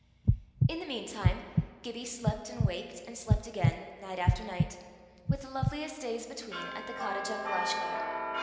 In the mean time Gibbie slept and waked and slept again, night after night with the loveliest days between, at the cottage on Glashgar.